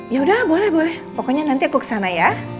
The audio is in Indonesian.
yaudah boleh boleh pokoknya nanti aku kesana ya